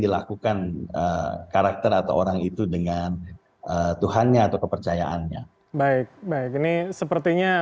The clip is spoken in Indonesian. dilakukan karakter atau orang itu dengan tuhannya atau kepercayaannya baik baik ini sepertinya